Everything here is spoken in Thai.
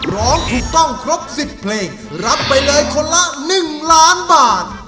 ร้องถูกต้องครบ๑๐เพลงรับไปเลยคนละ๑ล้านบาท